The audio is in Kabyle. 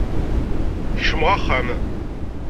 Kecm-aƔ axxam